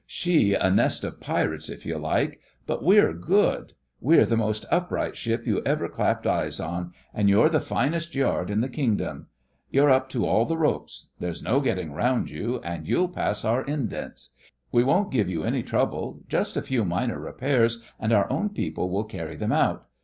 She a nest of pirates if you like: but we're good. We're the most upright ship you ever clapped eyes on, and you're the finest Yard in the Kingdom. You're up to all the ropes. There's no getting round you, and you'll pass our indents. We won't give you any trouble. Just a few minor repairs, and our own people will carry them out.